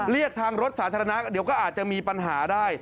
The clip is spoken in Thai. เรียกทางรถสาธารณะเดี๋ยวก็อาจจะมีปัญหาได้